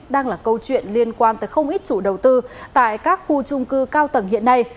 đang là câu chuyện liên quan tới không ít chủ đầu tư tại các khu trung cư cao tầng hiện nay